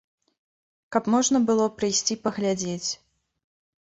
Каб можна было прыйсці паглядзець.